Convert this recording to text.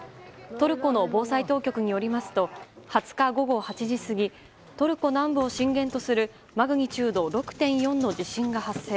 トルコの防災当局によりますと２０日午後８時過ぎトルコ南部を震源とするマグニチュード６．４の地震が発生。